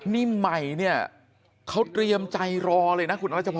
นี่ไหมเขาเตรียมใจรอเลยนะคุณรัชพร